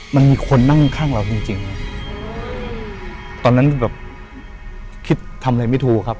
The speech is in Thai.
มันมีคนนั่งข้างเราจริงจริงตอนนั้นแบบคิดทำอะไรไม่ถูกครับ